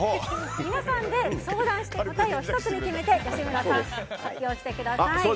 皆さんで相談して答えを１つに決めて吉村さん、発表してください。